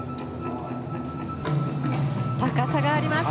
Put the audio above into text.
高さがあります。